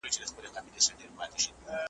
د لېوه کور بې هډوکو نه وي